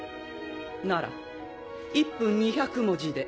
なら１分２００文字で。